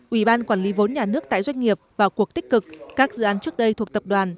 ủy ban quản lý vốn nhà nước tại doanh nghiệp vào cuộc tích cực các dự án trước đây thuộc tập đoàn